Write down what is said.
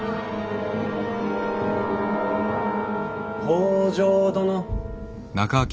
北条殿。